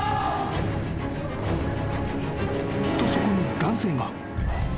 ［とそこに男性が］